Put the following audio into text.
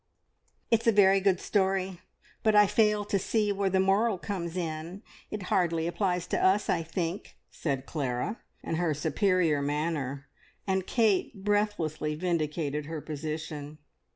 "It's a very good story, but I fail to see where the moral comes in. It hardly applies to us, I think," said Clara, in her superior manner, and Kate breathlessly vindicated her position.